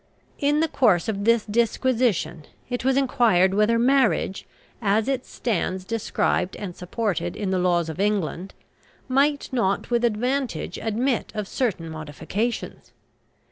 In the course of this disquisition it was enquired whether marriage, as it stands described and supported in the laws of England, might not with advantage admit of certain modifications.